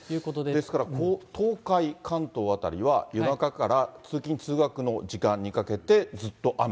ですから東海、関東辺りは夜中から通勤・通学の時間にかけて、ずっと雨。